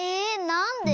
なんで？